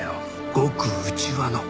ごく内輪の。